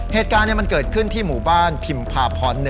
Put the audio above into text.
เหตุการณ์มันเกิดขึ้นที่หมู่บ้านพิมพาพร๑